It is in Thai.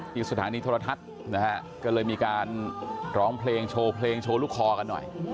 ที่สถานีโทรทัศน์นะฮะก็เลยมีการร้องเพลงโชว์เพลงโชว์ลูกคอกันหน่อย